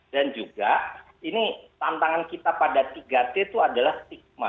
dan juga ini tantangan kita pada tiga t itu adalah stigma